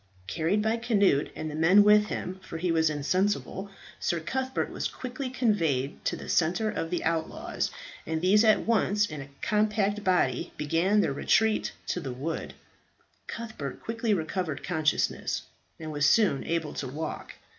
Carried by Cnut and the men with him for he was insensible Sir Cuthbert was quickly conveyed to the centre of the outlaws, and these at once in a compact body began their retreat to the wood. Cuthbert quickly recovered consciousness, and was soon able to walk.